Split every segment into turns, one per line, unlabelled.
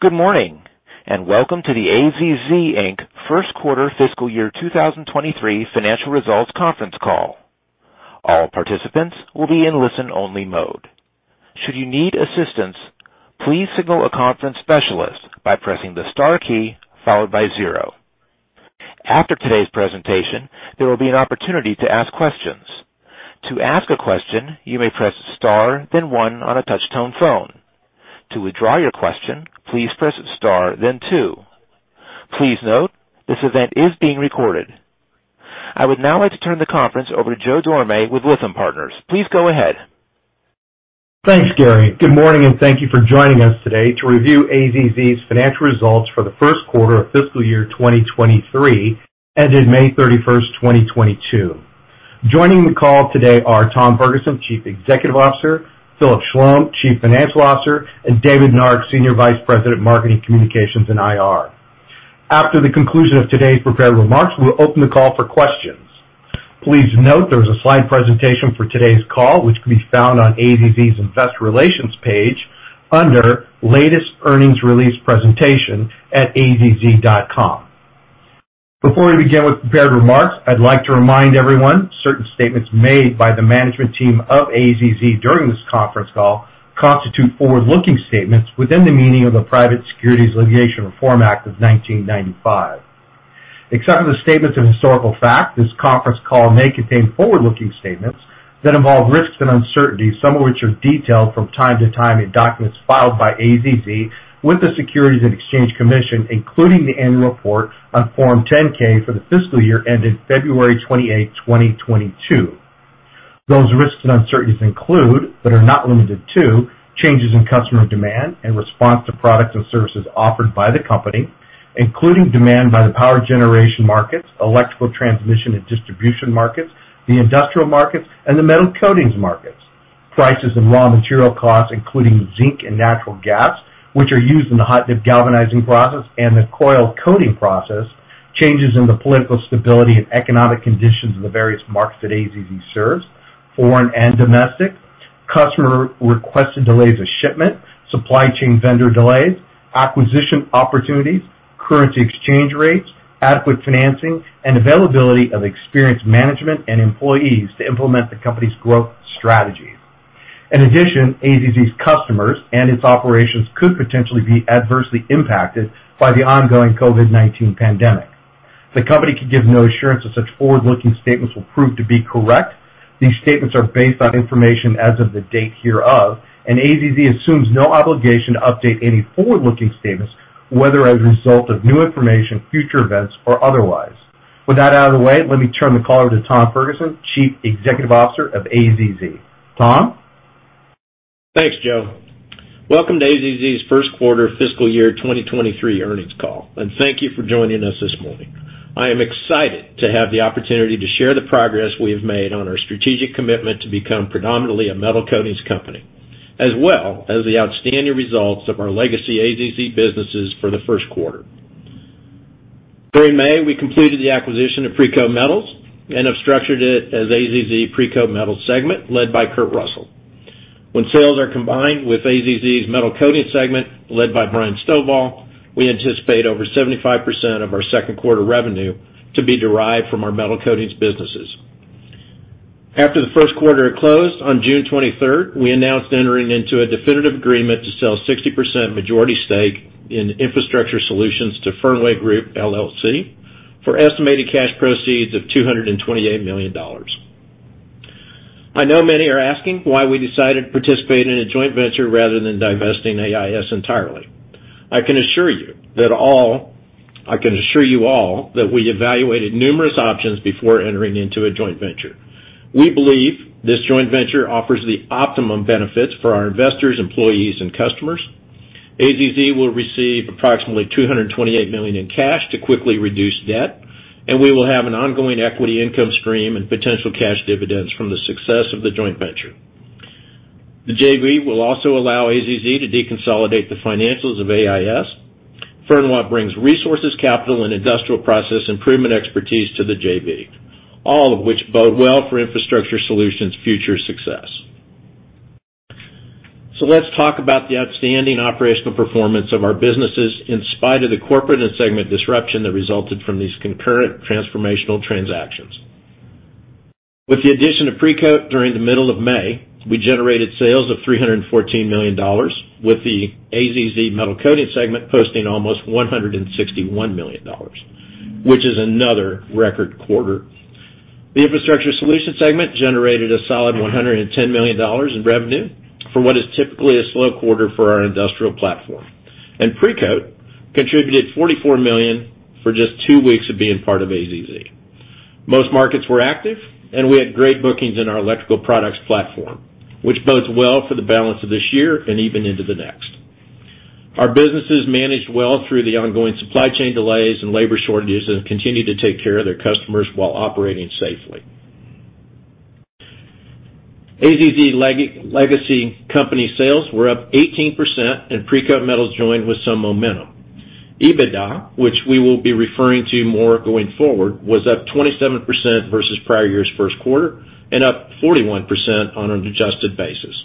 Good morning, and welcome to the AZZ Inc. First Quarter Fiscal Year 2023 Financial Results Conference Call. All participants will be in listen-only mode. Should you need assistance, please signal a conference specialist by pressing the star key followed by zero. After today's presentation, there will be an opportunity to ask questions. To ask a question, you may press star then one on a touch-tone phone. To withdraw your question, please press star then two. Please note, this event is being recorded. I would now like to turn the conference over to Joe Dorame with Lytham Partners. Please go ahead.
Thanks, Gary. Good morning, and thank you for joining us today to review AZZ's financial results for the first quarter of fiscal year 2023, ended May 31st, 2022. Joining the call today are Tom Ferguson, Chief Executive Officer, Philip Schlom, Chief Financial Officer, and David Nark, Senior Vice President, Marketing, Communications and IR. After the conclusion of today's prepared remarks, we'll open the call for questions. Please note there is a slide presentation for today's call, which can be found on AZZ's Investor Relations page under Latest Earnings Release Presentation at azz.com. Before we begin with prepared remarks, I'd like to remind everyone, certain statements made by the management team of AZZ during this conference call constitute forward-looking statements within the meaning of the Private Securities Litigation Reform Act of 1995. Except for the statements of historical fact, this conference call may contain forward-looking statements that involve risks and uncertainties, some of which are detailed from time to time in documents filed by AZZ with the Securities and Exchange Commission, including the annual report on Form 10-K for the fiscal year ended February 28, 2022. Those risks and uncertainties include, but are not limited to, changes in customer demand in response to products and services offered by the company, including demand by the power generation markets, electrical transmission and distribution markets, the industrial markets, and the metal coatings markets. Prices and raw material costs, including zinc and natural gas, which are used in the hot-dip galvanizing process and the coil coating process. Changes in the political stability and economic conditions of the various markets that AZZ serves, foreign and domestic. Customer requested delays of shipment, supply chain vendor delays, acquisition opportunities, currency exchange rates, adequate financing, and availability of experienced management and employees to implement the company's growth strategies. In addition, AZZ's customers and its operations could potentially be adversely impacted by the ongoing COVID-19 pandemic. The company could give no assurance that such forward-looking statements will prove to be correct. These statements are based on information as of the date hereof, and AZZ assumes no obligation to update any forward-looking statements, whether as a result of new information, future events, or otherwise. With that out of the way, let me turn the call over to Tom Ferguson, Chief Executive Officer of AZZ. Tom?
Thanks, Joe. Welcome to AZZ's first quarter fiscal year 2023 earnings call, and thank you for joining us this morning. I am excited to have the opportunity to share the progress we have made on our strategic commitment to become predominantly a metal coatings company, as well as the outstanding results of our legacy AZZ businesses for the first quarter. During May, we completed the acquisition of Precoat Metals and have structured it as AZZ Precoat Metals segment led by Kurt Russell. When sales are combined with AZZ's Metal Coatings segment led by Bryan Stovall, we anticipate over 75% of our second quarter revenue to be derived from our Metal Coatings businesses. After the first quarter had closed on June 23rd, we announced entering into a definitive agreement to sell 60% majority stake in Infrastructure Solutions to Fernweh Group LLC for estimated cash proceeds of $228 million. I know many are asking why we decided to participate in a joint venture rather than divesting AIS entirely. I can assure you all that we evaluated numerous options before entering into a joint venture. We believe this joint venture offers the optimum benefits for our investors, employees, and customers. AZZ will receive approximately $228 million in cash to quickly reduce debt, and we will have an ongoing equity income stream and potential cash dividends from the success of the joint venture. The JV will also allow AZZ to deconsolidate the financials of AIS. Fernweh brings resources, capital, and industrial process improvement expertise to the JV, all of which bode well for Infrastructure Solutions' future success. Let's talk about the outstanding operational performance of our businesses in spite of the corporate and segment disruption that resulted from these concurrent transformational transactions. With the addition of Precoat during the middle of May, we generated sales of $314 million, with the AZZ Metal Coatings segment posting almost $161 million, which is another record quarter. The Infrastructure Solutions segment generated a solid $110 million in revenue for what is typically a slow quarter for our industrial platform. Precoat contributed $44 million for just two weeks of being part of AZZ. Most markets were active, and we had great bookings in our electrical products platform, which bodes well for the balance of this year and even into the next. Our businesses managed well through the ongoing supply chain delays and labor shortages and continue to take care of their customers while operating safely. AZZ legacy company sales were up 18%, and Precoat Metals joined with some momentum. EBITDA, which we will be referring to more going forward, was up 27% versus prior year's first quarter and up 41% on an adjusted basis.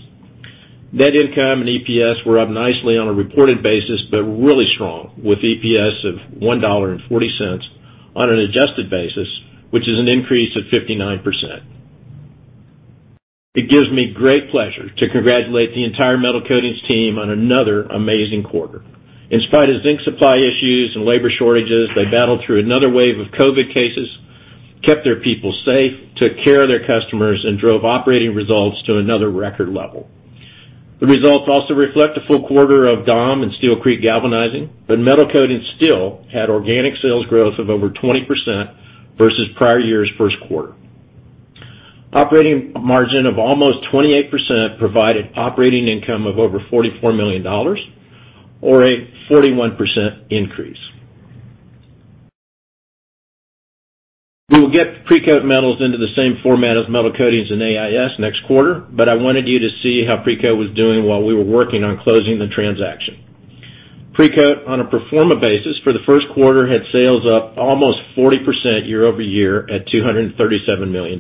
Net income and EPS were up nicely on a reported basis, but really strong with EPS of $1.40 on an adjusted basis, which is an increase of 59%. It gives me great pleasure to congratulate the entire Metal Coatings team on another amazing quarter. In spite of zinc supply issues and labor shortages, they battled through another wave of COVID cases, kept their people safe, took care of their customers, and drove operating results to another record level. The results also reflect a full quarter of DAAM and Steel Creek Galvanizing, but Metal Coatings still had organic sales growth of over 20% versus prior year's first quarter. Operating margin of almost 28% provided operating income of over $44 million or a 41% increase. We will get Precoat Metals into the same format as Metal Coatings and AIS next quarter, but I wanted you to see how Precoat was doing while we were working on closing the transaction. Precoat, on a pro forma basis for the first quarter, had sales up almost 40% year-over-year at $237 million.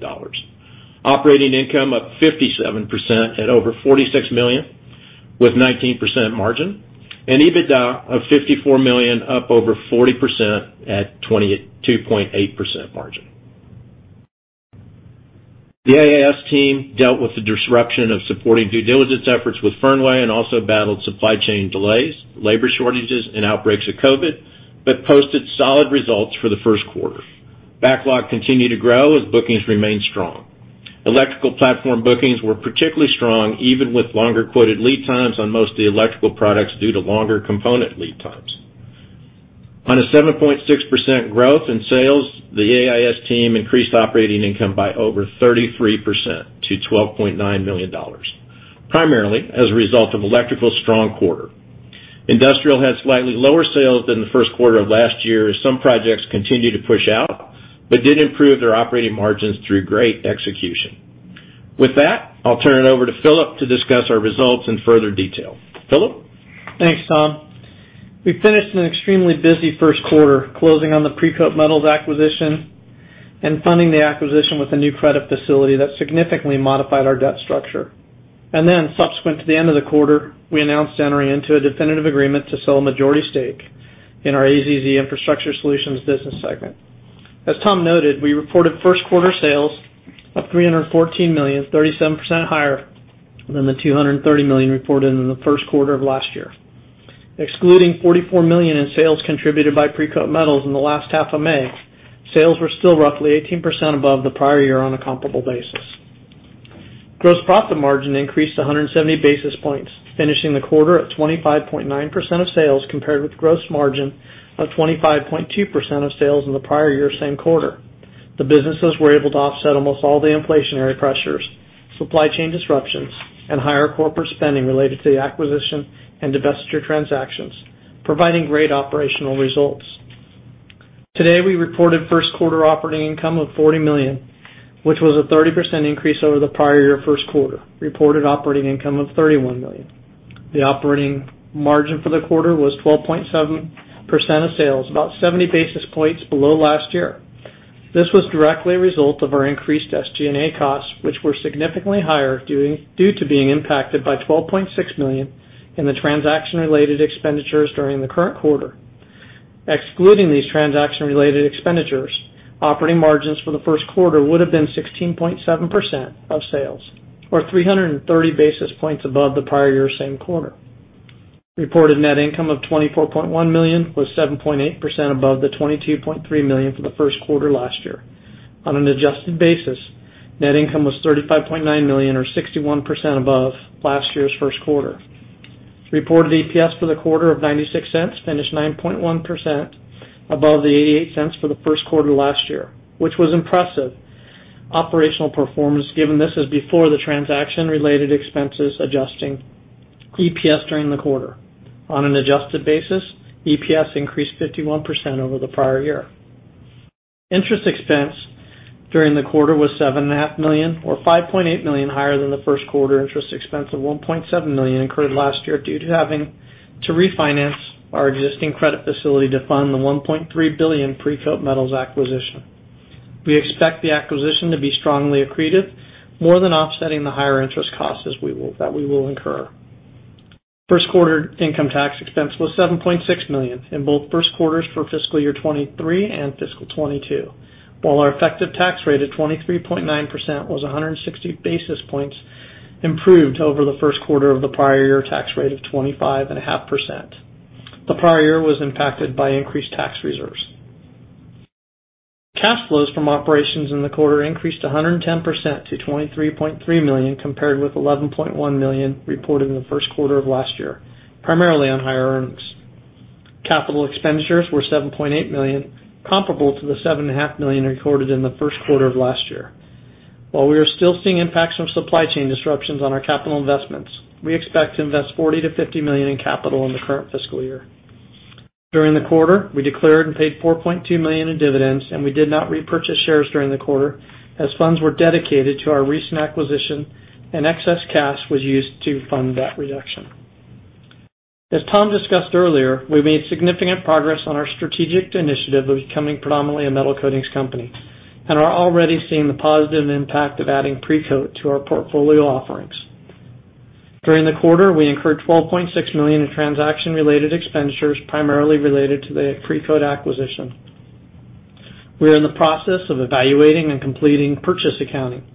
Operating income up 57% at over $46 million with 19% margin, and EBITDA of $54 million, up over 40% at 22.8% margin. The AIS team dealt with the disruption of supporting due diligence efforts with Fernweh and also battled supply chain delays, labor shortages, and outbreaks of COVID, but posted solid results for the first quarter. Backlog continued to grow as bookings remained strong. Electrical platform bookings were particularly strong, even with longer quoted lead times on most of the electrical products due to longer component lead times. On a 7.6% growth in sales, the AIS team increased operating income by over 33% to $12.9 million, primarily as a result of electrical strong quarter. Industrial had slightly lower sales than the first quarter of last year as some projects continued to push out, but did improve their operating margins through great execution. With that, I'll turn it over to Philip to discuss our results in further detail. Philip?
Thanks, Tom. We finished an extremely busy first quarter closing on the Precoat Metals acquisition and funding the acquisition with a new credit facility that significantly modified our debt structure. Subsequent to the end of the quarter, we announced entering into a definitive agreement to sell a majority stake in our AZZ Infrastructure Solutions business segment. As Tom noted, we reported first quarter sales of $314 million, 37% higher than the $230 million reported in the first quarter of last year. Excluding $44 million in sales contributed by Precoat Metals in the last half of May, sales were still roughly 18% above the prior year on a comparable basis. Gross profit margin increased 170 basis points, finishing the quarter at 25.9% of sales, compared with gross margin of 25.2% of sales in the prior year same quarter. The businesses were able to offset almost all the inflationary pressures, supply chain disruptions, and higher corporate spending related to the acquisition and divestiture transactions, providing great operational results. Today, we reported first quarter operating income of $40 million, which was a 30% increase over the prior year first quarter, reported operating income of $31 million. The operating margin for the quarter was 12.7% of sales, about 70 basis points below last year. This was directly a result of our increased SG&A costs, which were significantly higher due to being impacted by $12.6 million in the transaction-related expenditures during the current quarter. Excluding these transaction-related expenditures, operating margins for the first quarter would have been 16.7% of sales, or 330 basis points above the prior year same quarter. Reported net income of $24.1 million was 7.8% above the $22.3 million for the first quarter last year. On an adjusted basis, net income was $35.9 million, or 61% above last year's first quarter. Reported EPS for the quarter of $0.96 finished 9.1% above the $0.88 for the first quarter last year, which was impressive operational performance given this is before the transaction related expenses adjusting EPS during the quarter. On an adjusted basis, EPS increased 51% over the prior year. Interest expense during the quarter was $7.5 million, or $5.8 million higher than the first quarter interest expense of $1.7 million incurred last year due to having to refinance our existing credit facility to fund the $1.3 billion Precoat Metals acquisition. We expect the acquisition to be strongly accretive, more than offsetting the higher interest costs that we will incur. First quarter income tax expense was $7.6 million in both first quarters for fiscal year 2023 and fiscal 2022, while our effective tax rate at 23.9% was 160 basis points improved over the first quarter of the prior year tax rate of 25.5%. The prior year was impacted by increased tax reserves. Cash flows from operations in the quarter increased 110% to $23.3 million, compared with $11.1 million reported in the first quarter of last year, primarily on higher earnings. Capital expenditures were $7.8 million, comparable to the $7.5 million recorded in the first quarter of last year. While we are still seeing impacts from supply chain disruptions on our capital investments, we expect to invest $40 million-$50 million in capital in the current fiscal year. During the quarter, we declared and paid $4.2 million in dividends, and we did not repurchase shares during the quarter as funds were dedicated to our recent acquisition. Excess cash was used to fund that reduction. As Tom discussed earlier, we've made significant progress on our strategic initiative of becoming predominantly a metal coatings company and are already seeing the positive impact of adding Precoat to our portfolio offerings. During the quarter, we incurred $12.6 million in transaction-related expenditures, primarily related to the Precoat acquisition. We are in the process of evaluating and completing purchase accounting.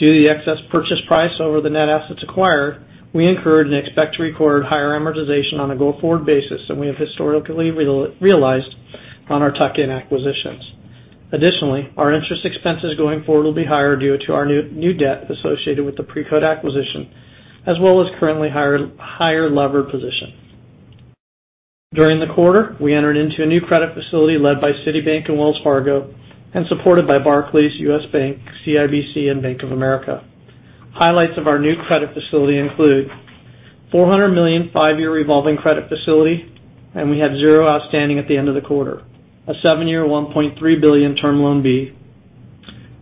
Due to the excess purchase price over the net assets acquired, we incurred and expect to record higher amortization on a go-forward basis than we have historically realized on our tuck-in acquisitions. Additionally, our interest expenses going forward will be higher due to our new debt associated with the Precoat acquisition, as well as currently higher levered position. During the quarter, we entered into a new credit facility led by Citibank and Wells Fargo and supported by Barclays, U.S. Bank, CIBC, and Bank of America. Highlights of our new credit facility include $400 million five-year revolving credit facility, and we had zero outstanding at the end of the quarter. A seven-year, $1.3 billion Term Loan B.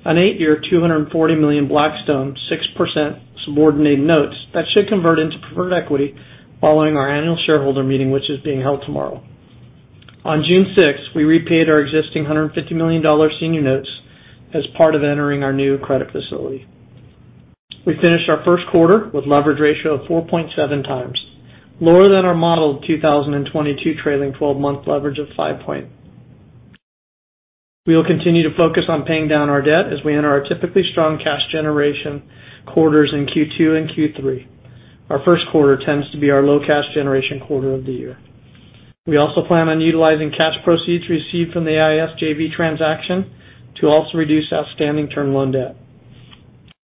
An eight-year, $240 million Blackstone 6% subordinated notes that should convert into preferred equity following our annual shareholder meeting, which is being held tomorrow. On June 6, we repaid our existing $150 million senior notes as part of entering our new credit facility. We finished our first quarter with leverage ratio of 4.7 times, lower than our modeled 2022 trailing 12-month leverage of 5. We will continue to focus on paying down our debt as we enter our typically strong cash generation quarters in Q2 and Q3. Our first quarter tends to be our low cash generation quarter of the year. We also plan on utilizing cash proceeds received from the AIS JV transaction to also reduce outstanding term loan debt.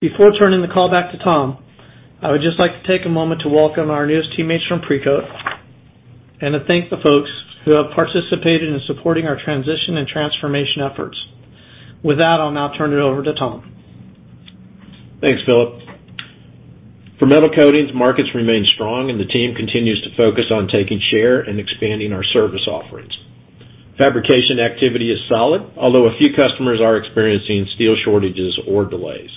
Before turning the call back to Tom, I would just like to take a moment to welcome our newest teammates from Precoat and to thank the folks who have participated in supporting our transition and transformation efforts. With that, I'll now turn it over to Tom.
Thanks, Philip. For Metal Coatings, markets remain strong and the team continues to focus on taking share and expanding our service offerings. Fabrication activity is solid, although a few customers are experiencing steel shortages or delays.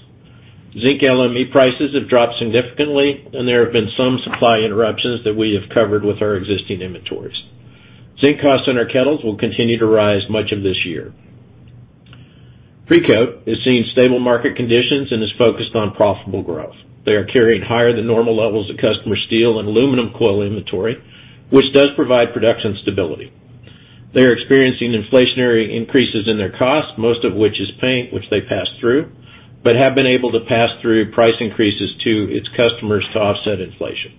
Zinc LME prices have dropped significantly, and there have been some supply interruptions that we have covered with our existing inventories. Zinc costs in our kettles will continue to rise much of this year. Precoat is seeing stable market conditions and is focused on profitable growth. They are carrying higher than normal levels of customer steel and aluminum coil inventory, which does provide production stability. They are experiencing inflationary increases in their costs, most of which is paint, which they pass through, but have been able to pass through price increases to its customers to offset inflation.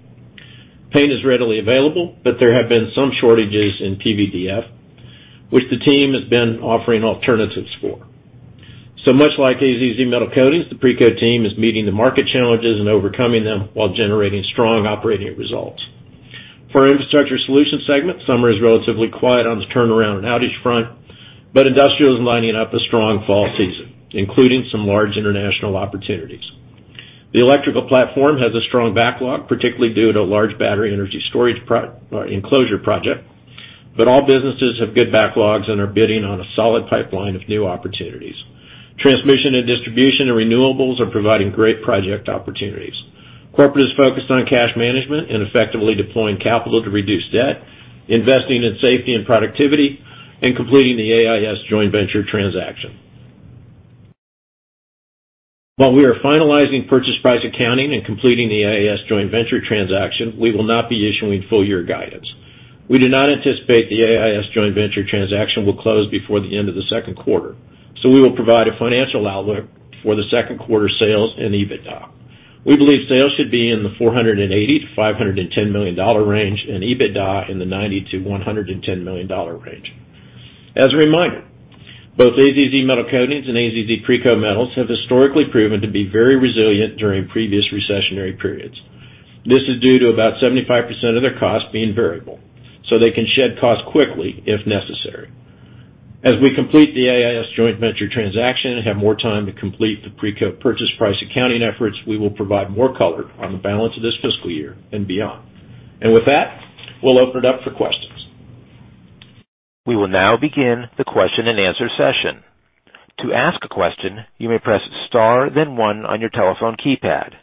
Paint is readily available, but there have been some shortages in PVDF, which the team has been offering alternatives for. Much like AZZ Metal Coatings, the Precoat team is meeting the market challenges and overcoming them while generating strong operating results. For our Infrastructure Solutions segment, summer is relatively quiet on the turnaround and outage front, but industrial is lining up a strong fall season, including some large international opportunities. The electrical platform has a strong backlog, particularly due to a large battery energy storage enclosure project, but all businesses have good backlogs and are bidding on a solid pipeline of new opportunities. Transmission and distribution and renewables are providing great project opportunities. Corporate is focused on cash management and effectively deploying capital to reduce debt, investing in safety and productivity, and completing the AIS joint venture transaction. While we are finalizing purchase price accounting and completing the AIS joint venture transaction, we will not be issuing full year guidance. We do not anticipate the AIS joint venture transaction will close before the end of the second quarter, so we will provide a financial outlook for the second quarter sales and EBITDA. We believe sales should be in the $480 million-$510 million range and EBITDA in the $90 million-$110 million range. As a reminder, both AZZ Metal Coatings and AZZ Precoat Metals have historically proven to be very resilient during previous recessionary periods. This is due to about 75% of their costs being variable, so they can shed costs quickly if necessary. As we complete the AIS joint venture transaction and have more time to complete the Precoat purchase price accounting efforts, we will provide more color on the balance of this fiscal year and beyond. With that, we'll open it up for questions.
We will now begin the question-and-answer session. To ask a question, you may press star then one on your telephone keypad.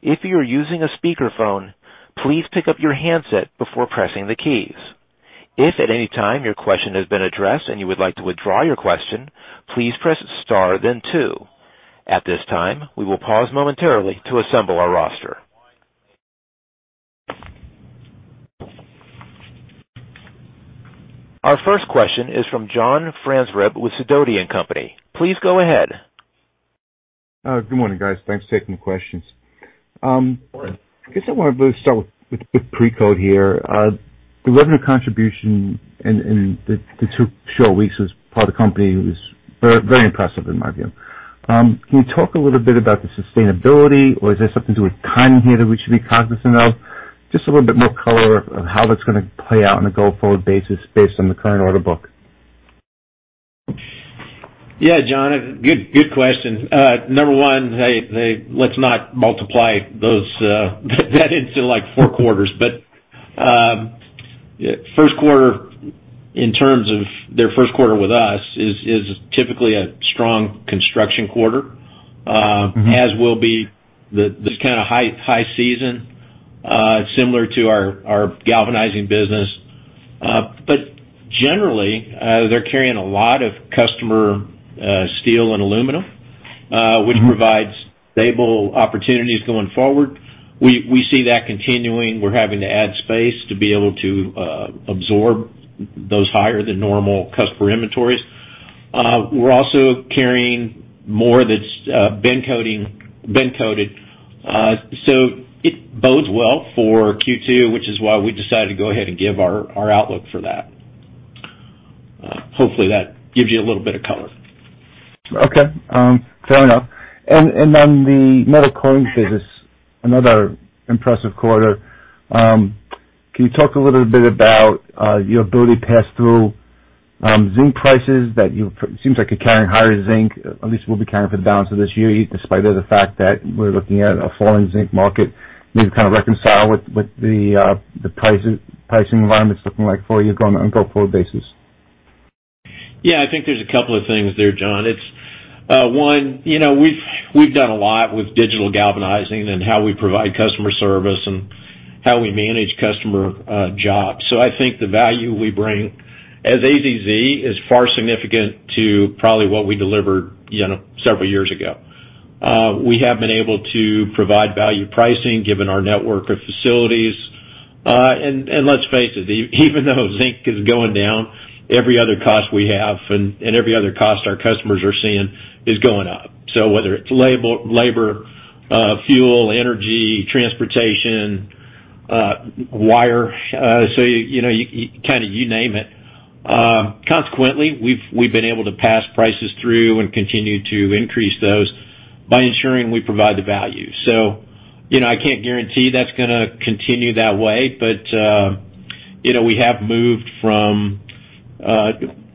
If you are using a speakerphone, please pick up your handset before pressing the keys. If at any time your question has been addressed and you would like to withdraw your question, please press star then two. At this time, we will pause momentarily to assemble our roster. Our first question is from John Franzreb with Sidoti & Company. Please go ahead.
Good morning, guys. Thanks for taking the questions. I guess I want to start with Precoat here. The revenue contribution in the two short weeks as part of the company was very impressive in my view. Can you talk a little bit about the sustainability or is there something to do with timing here that we should be cognizant of? Just a little bit more color on how that's gonna play out on a go-forward basis based on the current order book.
Yeah. John, good question. Number one, let's not multiply those that into like four quarters. Yeah, first quarter in terms of their first quarter with us is typically a strong construction quarter.
Mm-hmm.
This kinda high season, similar to our galvanizing business. Generally, they're carrying a lot of customer steel and aluminum.
Mm-hmm.
Which provides stable opportunities going forward. We see that continuing. We're having to add space to be able to absorb those higher than normal customer inventories. We're also carrying more that's been coated. So it bodes well for Q2, which is why we decided to go ahead and give our outlook for that. Hopefully, that gives you a little bit of color.
Okay. Fair enough. On the Metal Coatings business, another impressive quarter. Can you talk a little bit about your ability to pass through zinc prices. Seems like you're carrying higher zinc, at least will be carrying for the balance of this year, despite the fact that we're looking at a forward zinc market. Maybe kind of reconcile with the pricing environment is looking like for you on a go-forward basis.
Yeah. I think there's a couple of things there, John. It's one, you know, we've done a lot with Digital Galvanizing and how we provide customer service and how we manage customer jobs. I think the value we bring as AZZ is far more significant than probably what we delivered, you know, several years ago. We have been able to provide value pricing given our network of facilities. Let's face it, even though zinc is going down, every other cost we have and every other cost our customers are seeing is going up. Whether it's labor, fuel, energy, transportation, wire, you know, you name it. Consequently, we've been able to pass prices through and continue to increase those by ensuring we provide the value. You know, I can't guarantee that's gonna continue that way. You know,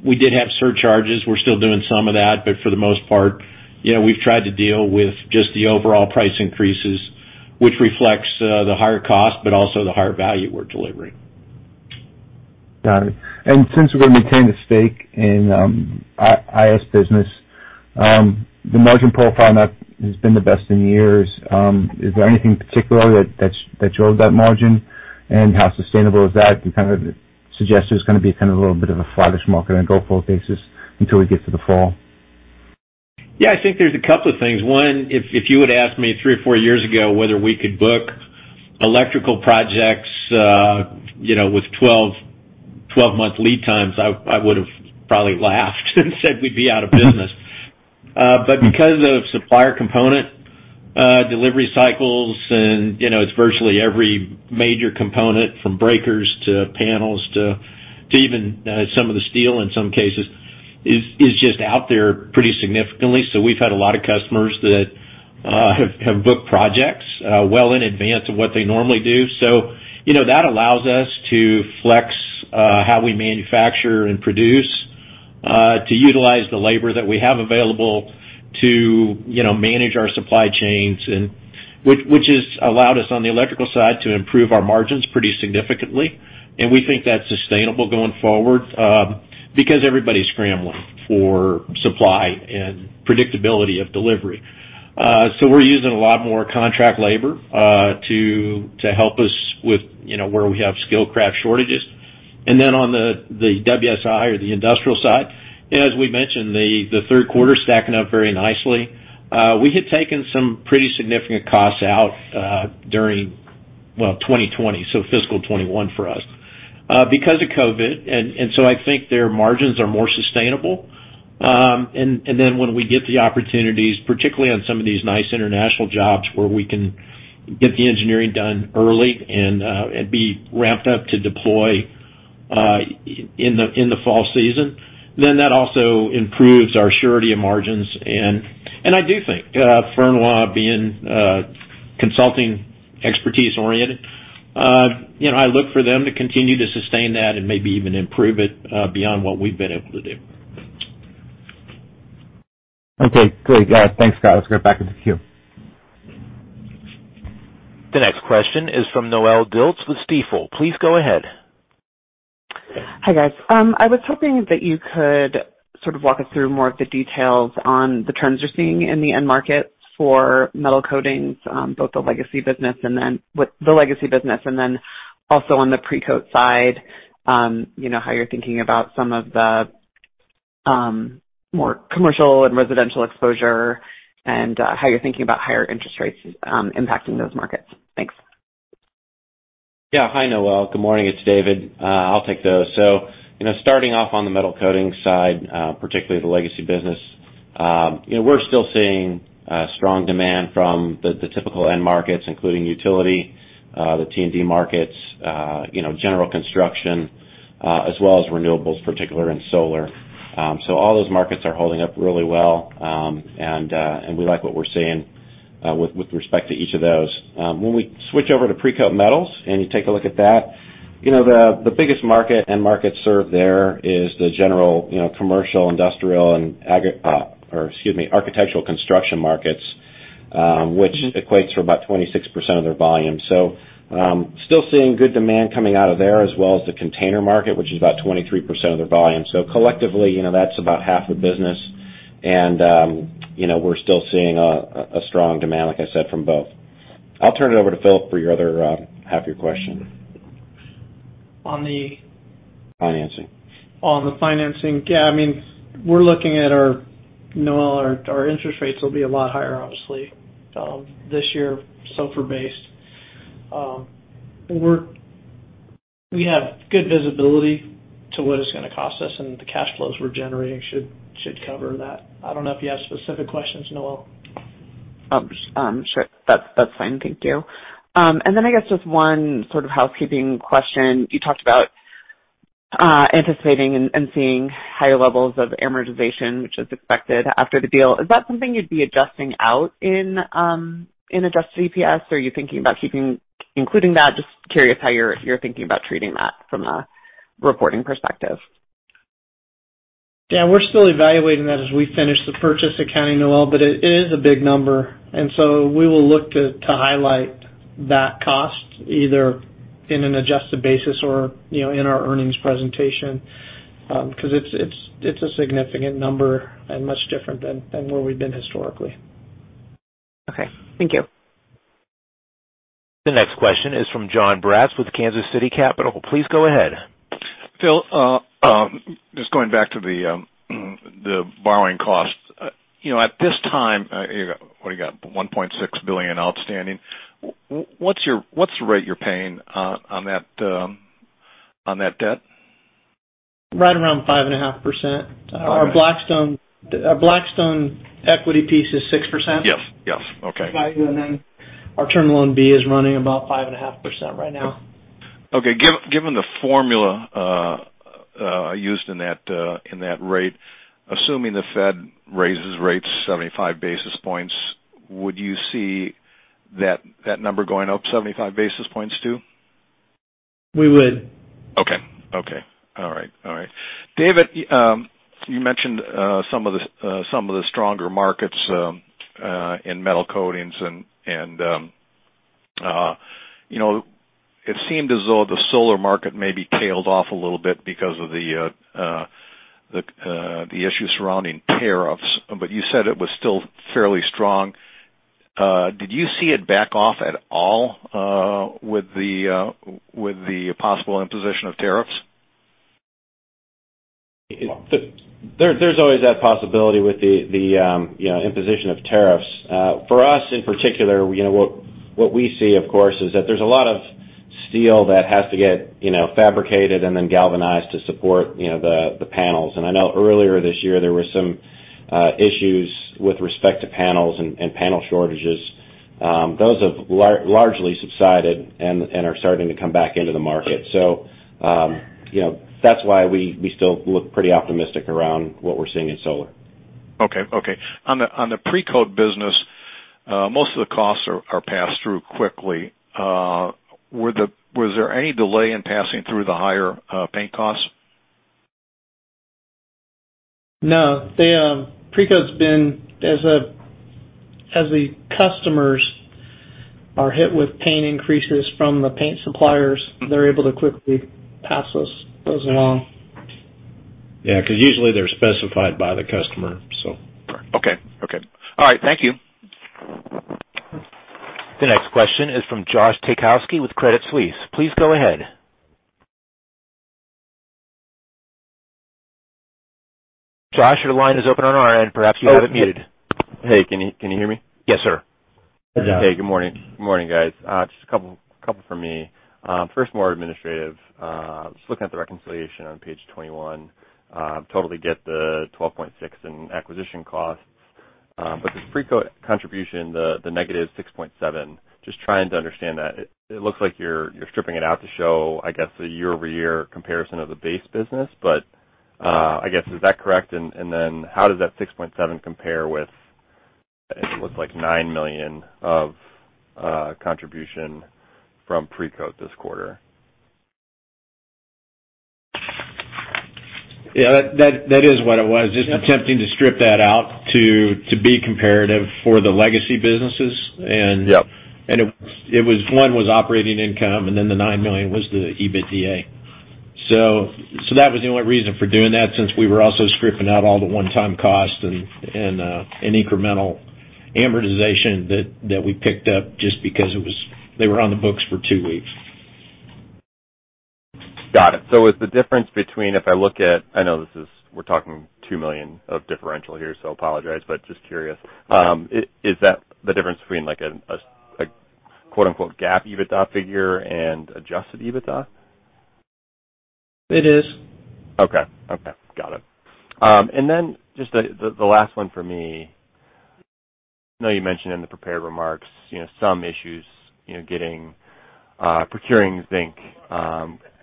we did have surcharges. We're still doing some of that, but for the most part, you know, we've tried to deal with just the overall price increases, which reflects the higher cost but also the higher value we're delivering.
Got it. Since we're gonna maintain the stake in IS business, the margin profile has been the best in years. Is there anything particular that shows that margin? How sustainable is that? You kind of suggest there's gonna be kind of a little bit of a flattish market on a go-forward basis until we get to the fall.
Yeah, I think there's a couple of things. One, if you had asked me three or four years ago whether we could book electrical projects, you know, with 12-month lead times, I would've probably laughed and said we'd be out of business. But because of supplier component delivery cycles and, you know, it's virtually every major component from breakers to panels to even some of the steel in some cases is just out there pretty significantly. So we've had a lot of customers that have booked projects well in advance of what they normally do. You know, that allows us to flex how we manufacture and produce to utilize the labor that we have available to you know manage our supply chains and which has allowed us on the electrical side to improve our margins pretty significantly. We think that's sustainable going forward because everybody's scrambling for supply and predictability of delivery. We're using a lot more contract labor to help us with you know where we have skilled craft shortages. Then on the WSI or the industrial side, as we mentioned, the third quarter is stacking up very nicely. We had taken some pretty significant costs out during well 2020, so fiscal 2021 for us because of COVID. I think their margins are more sustainable. When we get the opportunities, particularly on some of these nice international jobs where we can get the engineering done early and be ramped up to deploy in the fall season, then that also improves our surety of margins. I do think Fernweh being consulting expertise oriented, you know, I look for them to continue to sustain that and maybe even improve it beyond what we've been able to do.
Okay, great. Thanks, Tom. Let's go back to the queue.
The next question is from Noelle Dilts with Stifel. Please go ahead.
Hi, guys. I was hoping that you could sort of walk us through more of the details on the trends you're seeing in the end market for metal coatings, both the legacy business and then also on the Precoat side, you know, how you're thinking about some of the more commercial and residential exposure and how you're thinking about higher interest rates impacting those markets. Thanks.
Yeah. Hi, Noel. Good morning. It's David. I'll take those. You know, starting off on the metal coating side, particularly the legacy business, you know, we're still seeing strong demand from the typical end markets, including utility, the T&D markets, you know, general construction, as well as renewables, particularly in solar. All those markets are holding up really well. And we like what we're seeing with respect to each of those. When we switch over to Precoat Metals and you take a look at that, you know, the biggest market and markets served there is the general, you know, commercial, industrial, and architectural construction markets. Which equates to about 26% of their volume. Still seeing good demand coming out of there as well as the container market, which is about 23% of their volume. Collectively, you know, that's about half the business. You know, we're still seeing a strong demand, like I said, from both. I'll turn it over to Phil for your other half of your question.
On the-
Financing.
On the financing. Yeah, I mean, we're looking at our Noelle, our interest rates will be a lot higher, obviously, this year, SOFR-based. We have good visibility to what it's gonna cost us, and the cash flows we're generating should cover that. I don't know if you have specific questions, Noelle.
Sure. That's fine. Thank you. I guess just one sort of housekeeping question. You talked about anticipating and seeing higher levels of amortization, which is expected after the deal. Is that something you'd be adjusting out in adjusted EPS, or are you thinking about keeping, including that? Just curious how you're thinking about treating that from a reporting perspective.
Yeah, we're still evaluating that as we finish the purchase accounting, Noelle, but it is a big number. We will look to highlight that cost either in an adjusted basis or, you know, in our earnings presentation, because it's a significant number and much different than where we've been historically.
Okay. Thank you.
The next question is from Jon Braatz with Kansas City Capital. Please go ahead.
Phil, just going back to the borrowing costs. You know, at this time, what do you got? $1.6 billion outstanding. What's the rate you're paying on that debt?
Right around 5.5%.
All right.
Our Blackstone equity piece is 6%.
Yes. Yes. Okay.
Our Term Loan B is running about 5.5% right now.
Okay. Given the formula used in that rate, assuming the Fed raises rates 75 basis points, would you see that number going up 75 basis points, too?
We would.
Okay. All right. David, you mentioned some of the stronger markets in metal coatings, and you know, it seemed as though the solar market maybe tailed off a little bit because of the issue surrounding tariffs, but you said it was still fairly strong. Did you see it back off at all with the possible imposition of tariffs?
There's always that possibility with the imposition of tariffs. For us, in particular, what we see, of course, is that there's a lot of steel that has to get fabricated and then galvanized to support the panels. I know earlier this year, there were some issues with respect to panels and panel shortages. Those have largely subsided and are starting to come back into the market. That's why we still look pretty optimistic around what we're seeing in solar.
Okay. On the Precoat business, most of the costs are passed through quickly. Was there any delay in passing through the higher paint costs?
No. They, Precoat's been able to, as the customers are hit with paint increases from the paint suppliers, they're able to quickly pass those along.
Yeah, because usually they're specified by the customer, so.
Okay. All right. Thank you.
The next question is from Josh Taykowski with Credit Suisse. Please go ahead. Josh, your line is open on our end. Perhaps you have it muted.
Hey, can you hear me?
Yes, sir.
Hey, good morning. Good morning, guys. Just a couple for me. First, more administrative. Just looking at the reconciliation on page 21. Totally get the $12.6 in acquisition costs. The Precoat contribution, the - $6.7, just trying to understand that. It looks like you're stripping it out to show, I guess, the year-over-year comparison of the base business. I guess, is that correct? Then how does that $6.7 compare with, it looks like $9 million of contribution from Precoat this quarter?
Yeah, that is what it was.
Yeah.
Just attempting to strip that out to be comparative for the legacy businesses.
Yep.
It was. One was operating income, and then the $9 million was the EBITDA. That was the only reason for doing that since we were also stripping out all the one-time costs and incremental amortization that we picked up just because it was, they were on the books for two weeks.
Got it. Is the difference between, if I look at, I know this is, we're talking $2 million of differential here, so apologize, but just curious. Is that the difference between like a quote-unquote GAAP EBITDA figure and adjusted EBITDA?
It is.
Okay. Got it. Just the last one for me. I know you mentioned in the prepared remarks, you know, some issues, you know, getting, procuring zinc.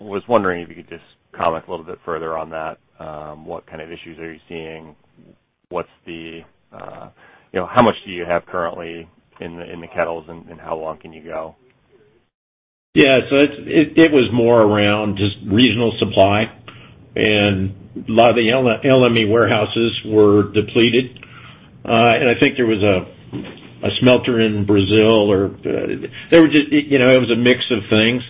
Was wondering if you could just comment a little bit further on that. What kind of issues are you seeing? What's the, you know, how much do you have currently in the kettles, and how long can you go?
It was more around just regional supply, and a lot of the LME warehouses were depleted. I think there was a smelter in Brazil or there were just, you know, it was a mix of things.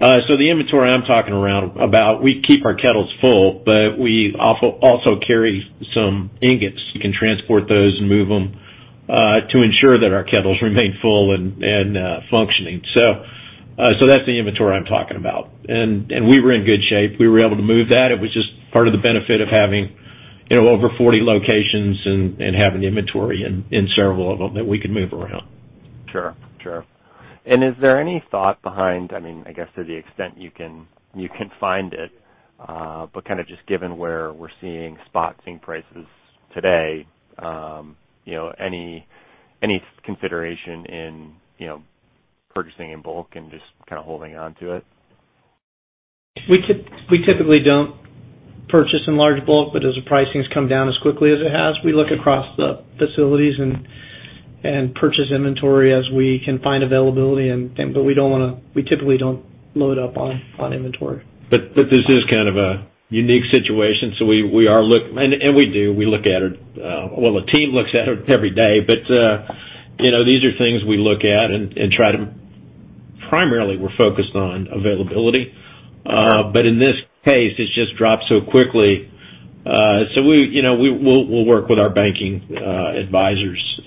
The inventory I'm talking about, we keep our kettles full, but we also carry some ingots. You can transport those and move them to ensure that our kettles remain full and functioning. That's the inventory I'm talking about. We were in good shape. We were able to move that. It was just part of the benefit of having, you know, over 40 locations and having inventory in several of them that we could move around.
Sure. Is there any thought behind, I mean, I guess to the extent you can find it, but kind of just given where we're seeing spot zinc prices today, you know, any consideration in, you know, purchasing in bulk and just kind of holding on to it?
We typically don't purchase in large bulk, but as the pricing's come down as quickly as it has, we look across the facilities and purchase inventory as we can find availability. But we don't wanna, we typically don't load up on inventory.
This is kind of a unique situation, so we do look at it. The team looks at it every day. You know, these are things we look at. Primarily, we're focused on availability. In this case, it's just dropped so quickly. You know, we'll work with our banking advisors,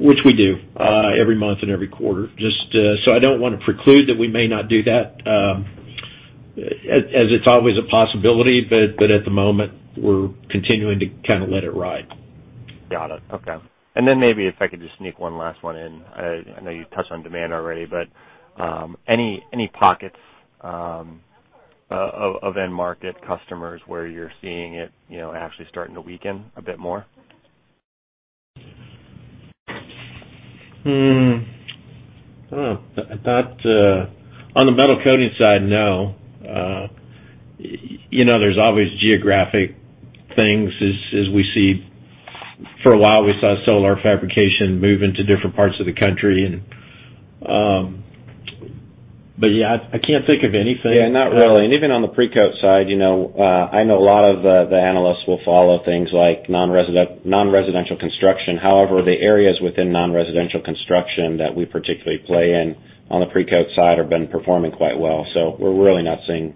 which we do every month and every quarter. I don't wanna preclude that we may not do that, as it's always a possibility, but at the moment, we're continuing to kind of let it ride.
Got it. Okay. Maybe if I could just sneak one last one in. I know you touched on demand already, but any pockets of end market customers where you're seeing it, you know, actually starting to weaken a bit more?
I don't know. Not on the metal coatings side, no. You know, there's always geographic things as we see. For a while, we saw solar fabrication move into different parts of the country. Yeah, I can't think of anything.
Yeah, not really. Even on the pre-coat side, you know, I know a lot of the analysts will follow things like non-residential construction. However, the areas within non-residential construction that we particularly play in on the pre-coat side have been performing quite well, so we're really not seeing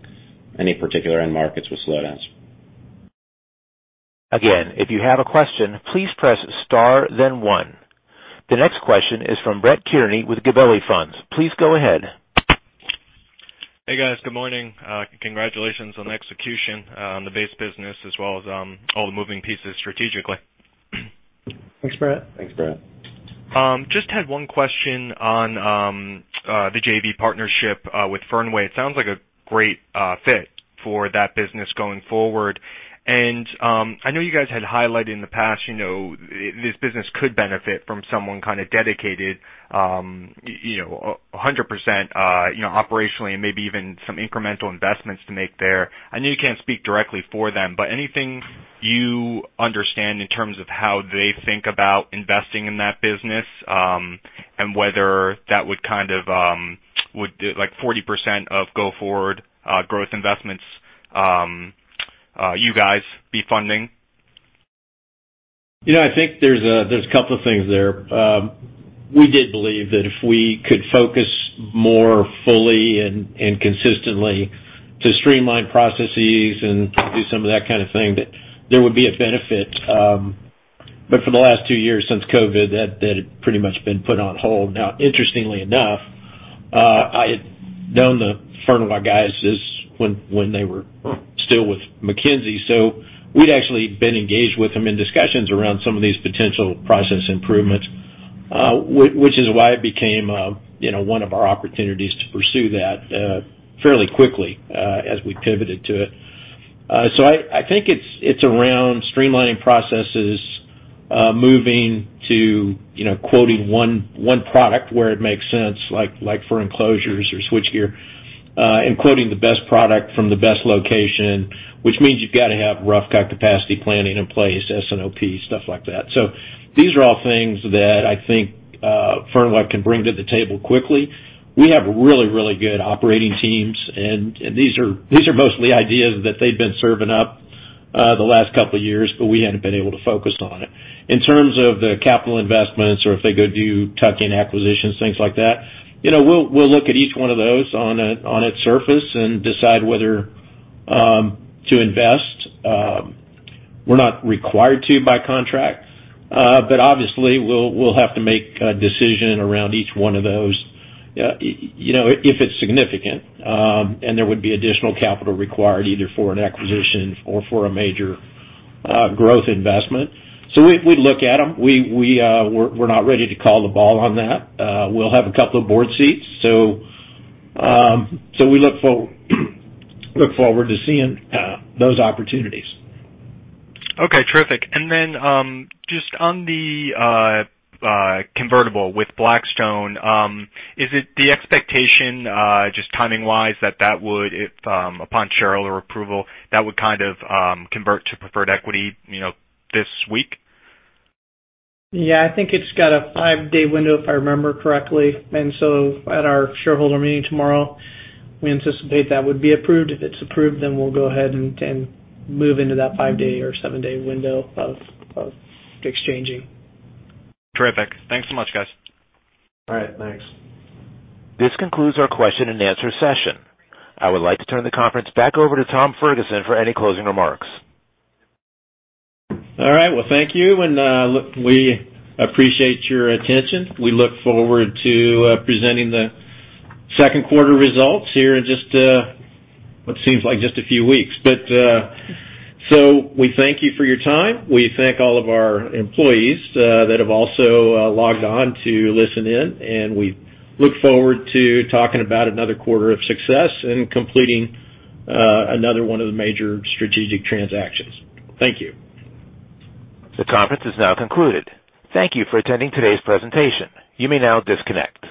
any particular end markets with slowdowns.
Again, if you have a question, please press star then one. The next question is from Brett Kearney with Gabelli Funds. Please go ahead.
Hey, guys. Good morning. Congratulations on the execution on the base business as well as all the moving pieces strategically.
Thanks, Brett.
Thanks, Brett.
Just had one question on the JV partnership with Fernweh. It sounds like a great fit for that business going forward. I know you guys had highlighted in the past, you know, this business could benefit from someone kind of dedicated, you know, 100%, you know, operationally and maybe even some incremental investments to make there. I know you can't speak directly for them, but anything you understand in terms of how they think about investing in that business, and whether that would kind of, like 40% of go forward growth investments, you guys be funding?
You know, I think there's a couple things there. We did believe that if we could focus more fully and consistently to streamline processes and do some of that kind of thing, that there would be a benefit. For the last two years, since COVID, that had pretty much been put on hold. Now, interestingly enough, I had known the Fernweh guys since they were still with McKinsey. We'd actually been engaged with them in discussions around some of these potential process improvements, which is why it became, you know, one of our opportunities to pursue that, fairly quickly, as we pivoted to it. I think it's around streamlining processes, moving to, you know, quoting one product where it makes sense, like for enclosures or switchgear, and quoting the best product from the best location, which means you've got to have rough cut capacity planning in place, S&OP, stuff like that. These are all things that I think Fernweh can bring to the table quickly. We have really good operating teams, and these are mostly ideas that they've been serving up the last couple of years, but we hadn't been able to focus on it. In terms of the capital investments or if they go do tuck-in acquisitions, things like that, you know, we'll look at each one of those on its surface and decide whether to invest. We're not required to by contract, but obviously we'll have to make a decision around each one of those, you know, if it's significant, and there would be additional capital required either for an acquisition or for a major growth investment. We look at them. We're not ready to call the ball on that. We'll have a couple of board seats, so we look forward to seeing those opportunities.
Okay. Terrific. Just on the convertible with Blackstone, is it the expectation, just timing-wise, that would, if upon shareholder approval, convert to preferred equity, you know, this week?
Yeah. I think it's got a five-day window, if I remember correctly. At our shareholder meeting tomorrow, we anticipate that would be approved. If it's approved, then we'll go ahead and move into that five-day or seven-day window of exchanging.
Terrific. Thanks so much, guys.
All right. Thanks.
This concludes our question and answer session. I would like to turn the conference back over to Tom Ferguson for any closing remarks.
All right. Well, thank you, and, look, we appreciate your attention. We look forward to presenting the second quarter results here in just what seems like just a few weeks. We thank you for your time. We thank all of our employees that have also logged on to listen in, and we look forward to talking about another quarter of success and completing another one of the major strategic transactions. Thank you.
The conference is now concluded. Thank you for attending today's presentation. You may now disconnect.